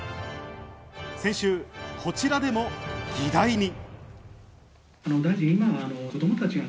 先週こちらでも議題に。